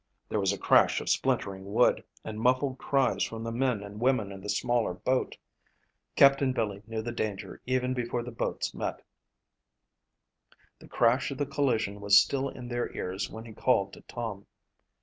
There was the crash of splintering wood, and muffled cries from the men and women in the smaller boat. Captain Billy knew the danger even before the boats met. The crash of the collision was still in their ears when he called to Tom.